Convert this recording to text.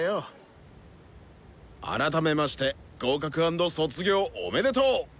改めまして合格＆卒業おめでとう！